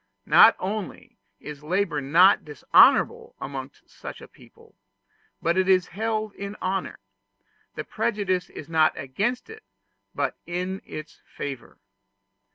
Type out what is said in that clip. Not only is labor not dishonorable amongst such a people, but it is held in honor: the prejudice is not against it, but in its favor.